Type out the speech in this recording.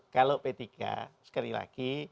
kalau p tiga sekali lagi